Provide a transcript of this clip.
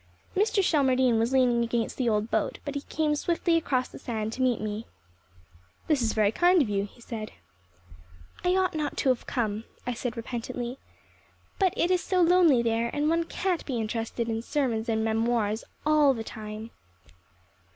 Mr. Shelmardine was leaning against the old boat, but he came swiftly across the sand to meet me. "This is very kind of you," he said. "I ought not to have come," I said repentantly. "But it is so lonely there and one can't be interested in sermons and memoirs all the time."